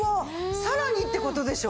さらにって事でしょ？